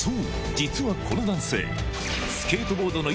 実はこの男性